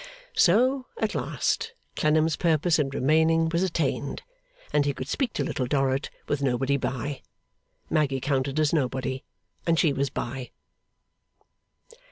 So, at last, Clennam's purpose in remaining was attained, and he could speak to Little Dorrit with nobody by. Maggy counted as nobody, and she was by.